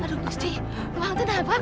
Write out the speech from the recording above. aduh gusti uang itu mana mak